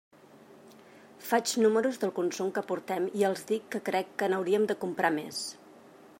Faig números del consum que portem i els dic que crec que n'hauríem de comprar més.